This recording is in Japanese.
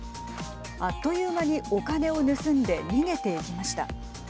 あっという間にお金を盗んで逃げていきました。